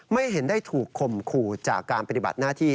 ไม่เห็นได้ถูกข่มขู่จากการปฏิบัติหน้าที่